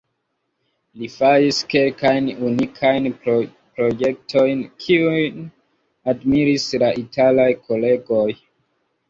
Li faris kelkajn unikajn projektojn, kiujn admiris la italaj kolegoj.